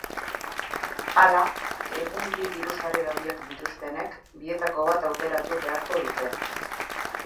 Hala, egun bi diru-sarrera horiek dituztenek bietako bat aukeratu beharko dute.